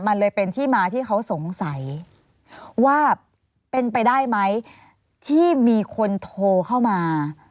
มันเลยเป็นที่มาที่เขาสงสัยว่าเป็นไปได้ไหมที่มีคนโทรเข้ามา